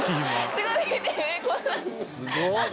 すごい。